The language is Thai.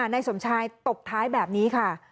ในสมชัยตกท้ายแบบนี้ค่ะ